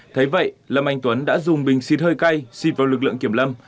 thế vậy lâm anh tuấn đã dùng bình xí thơi cay xịt vào lực lượng kiểm lâm